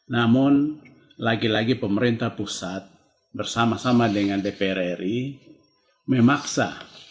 namun lagi lagi pemerintah pusat bersama sama dengan dpr ri memaksa